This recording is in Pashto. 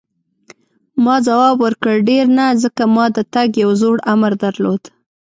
ما ځواب ورکړ: ډېر نه، ځکه ما د تګ یو زوړ امر درلود.